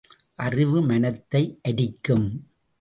அறிவு மனத்தை அரிக்கும்.